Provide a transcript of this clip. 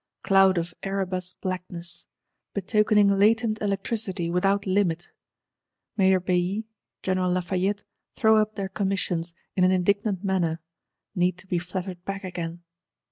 Cloud of Erebus blackness: betokening latent electricity without limit. Mayor Bailly, General Lafayette throw up their commissions, in an indignant manner;—need to be flattered back again.